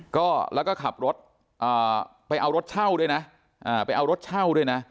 ก็แล้วก็ขับรถไปเอารถเช่าด้วยนะไปเอารถเช่าด้วยนะ